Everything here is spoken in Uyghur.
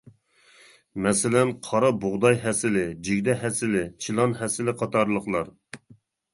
مەسىلەن قارا بۇغداي ھەسىلى، جىگدە ھەسىلى، چىلان ھەسىلى قاتارلىقلار.